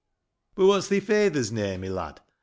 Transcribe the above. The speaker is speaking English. "But what's thi faither's name, my lad?